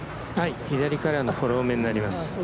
左からのフォロー目になります。